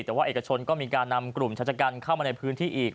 แต่ว่าเอกชนก็มีการนำกลุ่มชายชะกันเข้ามาในพื้นที่อีก